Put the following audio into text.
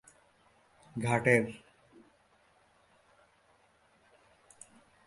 ঘাটের দুই পাশে খাবারসহ নানা রকম পণ্য বেচে জীবন চলে তাঁদের।